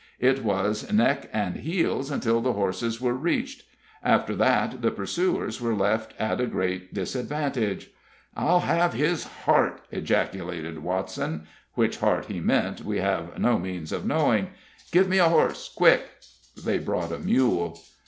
It was neck and heels until the horses were reached. After that the pursuers were left at a great disadvantage. "I'll have his heart!" ejaculated Watson. Which heart he meant we have no means of knowing. "Give me a horse! quick!" They brought a mule.